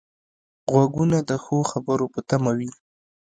غوږونه د ښو خبرو په تمه وي